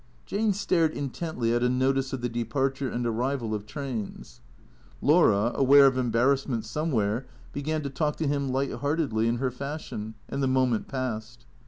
Jane stared intently at a notice of the departure and arrival of trains. Laura, aware of embarrassment somewhere, began to talk to him light heartedly, in her fashion, and the moment passed.